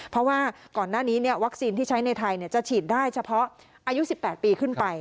เพราะว่าก่อนหน้านี้วัคซีนที่ใช้ในไทยจะฉีดได้เฉพาะอายุ๑๘ปีขึ้นไป